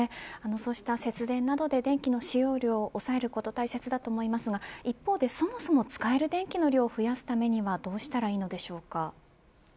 そうした節電などで電気の使用量を抑えることが大切だと思いますが一方で、そもそも使える電気の量を増やすためにはどうしたらいいのでしょうか。